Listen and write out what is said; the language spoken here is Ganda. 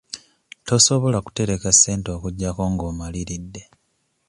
Tosobola kutereka ssente okuggyako nga omaliridde.